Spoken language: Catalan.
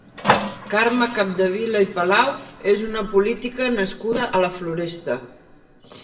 Carme Capdevila i Palau és una política nascuda a la Floresta.